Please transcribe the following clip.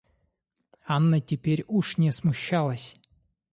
Анна теперь уж не смущалась.